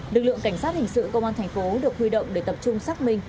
lực lượng cảnh sát hình sự công an tp hcm được huy động để tập trung xác minh